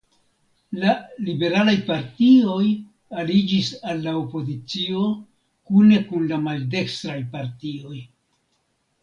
La liberalaj partioj aliĝis al la opozicio kune kun la maldekstraj partioj.